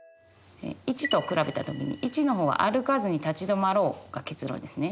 ①と比べた時に①の方は「歩かずに立ち止まろう」が結論ですね。